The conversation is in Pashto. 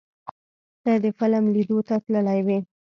ته د فلم لیدو ته تللی وې؟